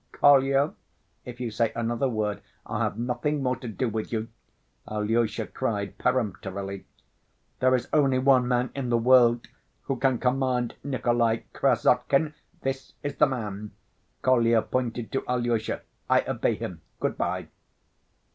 "Kolya, if you say another word, I'll have nothing more to do with you," Alyosha cried peremptorily. "There is only one man in the world who can command Nikolay Krassotkin—this is the man"; Kolya pointed to Alyosha. "I obey him, good‐ by!"